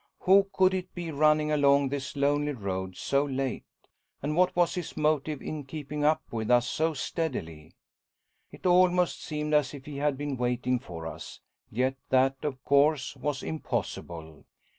Who could it be running along this lonely road so late, and what was his motive in keeping up with us so steadily. It almost seemed as if he had been waiting for us, yet that, of course, was impossible.